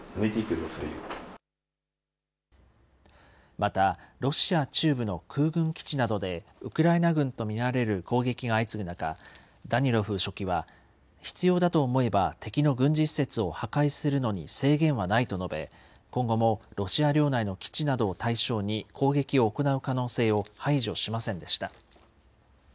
またロシア中部の空軍基地などでウクライナ軍と見られる攻撃が相次ぐ中、ダニロフ書記は必要だと思えば敵の軍事施設を破壊するのに制限はないと述べ、今後もロシア領内の基地などを対象に攻撃を行う可能性を排除しませんでした。